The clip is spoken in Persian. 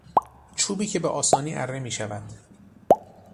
چوبی که به آسانی اره میشود